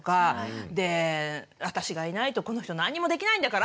で私がいないとこの人何もできないんだから！